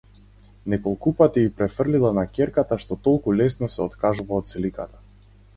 Неколупати ѝ префрлила на ќерката што толку лесно се откажува од сликата.